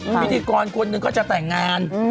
พิธีกรคนหนึ่งก็จะแต่งงาน